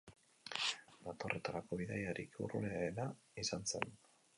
Data horretarako bidaiarik urrunena izan zen.